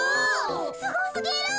すごすぎる！